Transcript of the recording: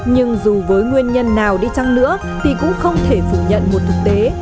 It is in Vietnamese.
nhưng dù với nguyên nhân nào đi chăng nữa thì cũng không thể phủ nhận một thực tế